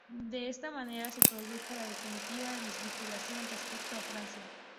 De esta manera se produjo la definitiva desvinculación respecto a Francia.